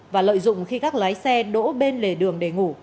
và lợi dụng khi các lái xe đỗ bên lề đường để ngủ